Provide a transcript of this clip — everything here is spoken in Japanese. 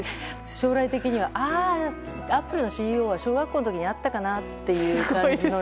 将来的にはアップルのＣＥＯは小学校の時に会ったかな？って感じの。